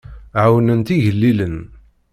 Ɛawnent igellilen.